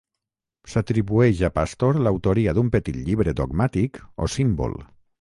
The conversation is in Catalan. S'atribueix a Pastor l'autoria d'un petit llibre dogmàtic o símbol.